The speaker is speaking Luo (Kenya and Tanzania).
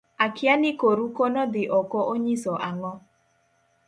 akia ni koru kono dhi oko onyiso ang'o